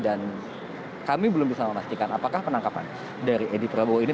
dan kami belum bisa memastikan apakah penangkapan dari edi prabowo ini